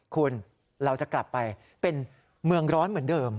คุณเราจะกลับไปเป็นเมืองร้อนเหมือนเดิม